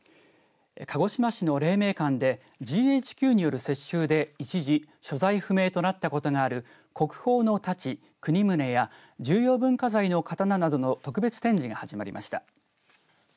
鹿児島市の黎明館でＧＨＱによる接収で一時所在不明となったことがある国宝の太刀国宗や重要文化財の刀などの特別展示がはじまりました。